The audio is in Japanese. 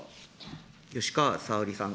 吉川沙織さん。